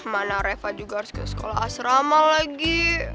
mana reva juga harus ke sekolah asrama lagi